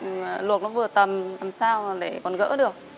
để vừa tầm luộc nó vừa tầm làm sao để còn gỡ được